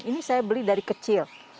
ini saya beli dari kecil